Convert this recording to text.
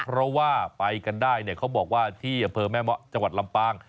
เพราะว่าไปกันได้เนี่ยเขาบอกว่าที่อำเภอแม่เมาะจังหวัดลำปาง